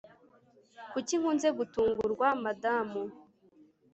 kuki nkunze gutungurwa, madamu